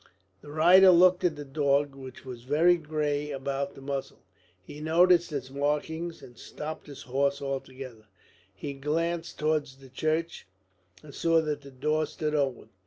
The rider looked at the dog, which was very grey about the muzzle. He noticed its marking, and stopped his horse altogether. He glanced towards the church, and saw that the door stood open.